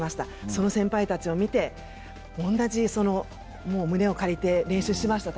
その先輩たちを見て胸を借りてたくさん練習しました。